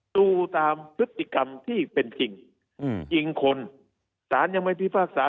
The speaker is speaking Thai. ดูตามพฤติกรรมที่เป็นจริงยิงคนสารยังไม่พิพากษา